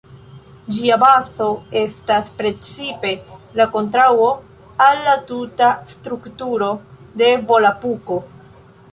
Ĝia bazo estas principe la kontraŭo al la tuta strukturo de Volapuko.